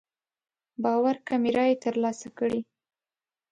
باور کمې رايې تر لاسه کړې.